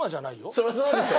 そりゃそうでしょ！